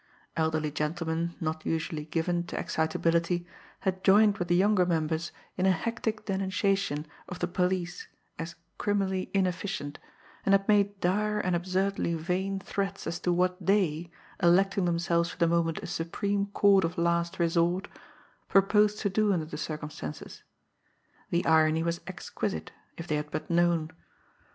Elderly gentlemen, not usually given to excitability, had joined with the younger members in a hectic denunciation of the police as criminally inefficient, and had made dire and absurdly vain threats as to what they, electing themselves for the moment a supreme court of last resort, proposed to do under the circumstances. The irony was exquisite, if they had but known!